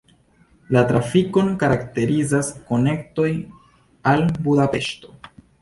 La trafikon karakterizas konektoj al Budapeŝto.